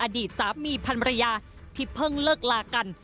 อดีตสามีพันรยาที่เพิ่งเลิกลากัน